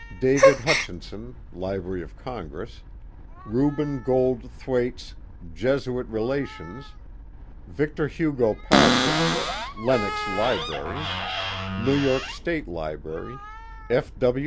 ; David Hutchi son, Library of Congress; Reuben Gold Thwaites' Jesuit Re lations ; Victor Hugo Paltsits, Lenox Library; New York State Library, F. W.